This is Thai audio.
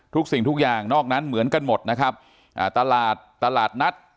สิ่งทุกอย่างนอกนั้นเหมือนกันหมดนะครับอ่าตลาดตลาดนัด